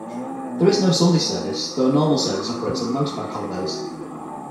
There is no Sunday service, though a normal service operates on most Bank Holidays.